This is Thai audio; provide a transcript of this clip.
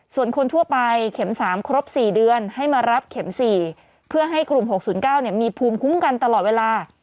ส่วนคนทั่วไปเข็ม๓ครบ๔เดือนให้มารับเข็ม๔เพื่อให้กลุ่ม๖๐๙มีภูมิคุ้มกันตลอดเวลา